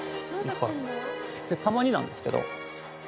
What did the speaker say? たまになんですけど。